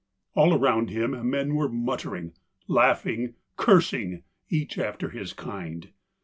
All around him men were muttering, laughing, cursing, each after his kind.